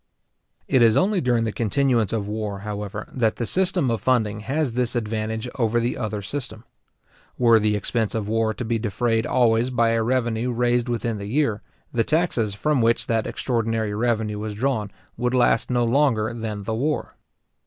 It is only during the continuance of war, however, that the system of funding has this advantage over the other system. Were the expense of war to be defrayed always by a revenue raised within the year, the taxes from which that extraordinary revenue was drawn would last no longer than the war.